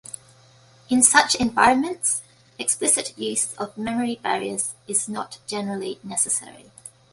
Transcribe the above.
In such environments explicit use of memory barriers is not generally necessary.